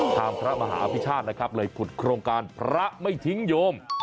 พระมหาอภิชาตินะครับเลยผุดโครงการพระไม่ทิ้งโยม